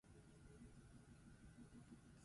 Goi Mailako Teknikaria da Artxiboetan.